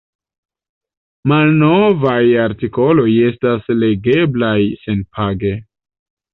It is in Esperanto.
Malnovaj artikoloj estas legeblaj senpage.